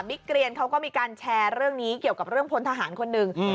เกรียนเขาก็มีการแชร์เรื่องนี้เกี่ยวกับเรื่องพลทหารคนหนึ่ง